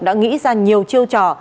đã nghĩ ra nhiều chiêu trò